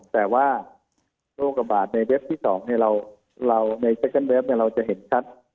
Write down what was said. แต่ว่าโรคประบาดในเว็บที่สองเนี่ยเราเราในเว็บที่สองเนี่ยเราจะเห็นชัด